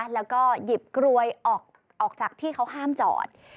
แล้วก็หยิบกลวยออกจากที่เขาห้ามจอด